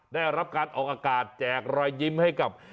ได้รับการออกอากาศแจกรอยยิ้มให้กับ